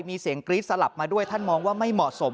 มีเสียงกรี๊ดสลับมาด้วยท่านมองว่าไม่เหมาะสม